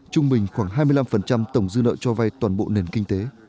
trung bình khoảng hai mươi năm tổng dư nợ cho vay toàn bộ nền kinh tế